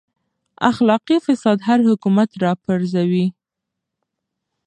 اخلاقي فساد هر حکومت راپرځوي.